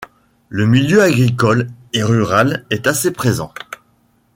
Le milieu agricole et rural est assez présent.